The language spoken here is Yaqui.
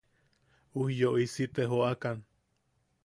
Ujyooisi te joʼakan.